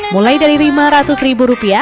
mulai dari rp lima ratus